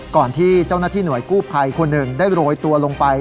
ก่อนที่เจ้าหน้าที่หน่วยกู้ภัยคนหนึ่งได้โรยตัวลงไป